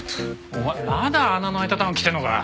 お前まだ穴の開いたダウン着てんのか。